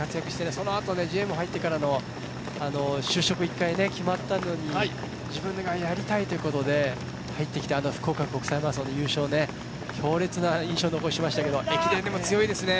そのあとＧＭＯに入ってから、就職１回決まったのに、自分がやりたいということで入ってきてあの福岡国際マラソンの優勝、強烈な印象残しましたけど、駅伝でも強いですね。